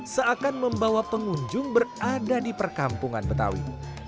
seakan membawa pengunjung berada di perkampungan betawi